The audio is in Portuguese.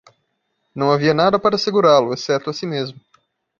Não havia nada para segurá-lo, exceto a si mesmo.